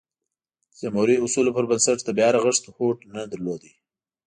د جمهوري اصولو پربنسټ د بیا رغښت هوډ نه درلود.